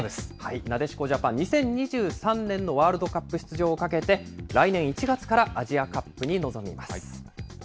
なでしこジャパン、２０２３年のワールドカップ出場をかけて、来年１月からアジアカップに臨みます。